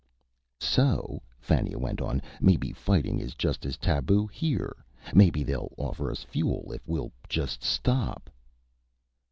"So," Fannia went on, "maybe fighting is just as taboo here. Maybe they'll offer us fuel, if we'll just stop."